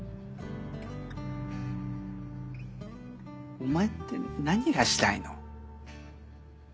お前って何がしたいの？